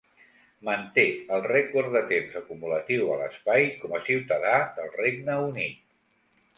Manté el rècord de temps acumulatiu a l'espai com a ciutadà del Regne Unit.